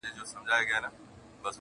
جهاني پر هغه دښته مي سفر سو -